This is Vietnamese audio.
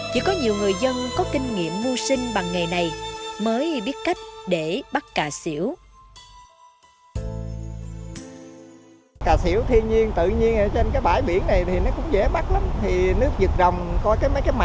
chỉ có nhiều người dân nơi đây sống ẩn mình trong cát